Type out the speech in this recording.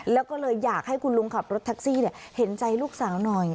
แล้วก็เลยอยากให้คุณลุงขับรถแท็กซี่เห็นใจลูกสาวหน่อย